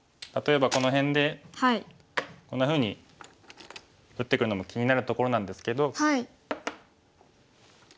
例えばこの辺でこんなふうに打ってくるのも気になるところなんですけど。